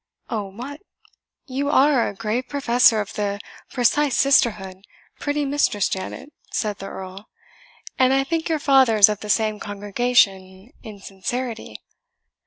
"Oh, what! you are a grave professor of the precise sisterhood, pretty Mistress Janet," said the Earl, "and I think your father is of the same congregation in sincerity?